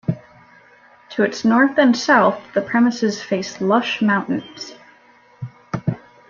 To its north and south, the premises face lush mountains.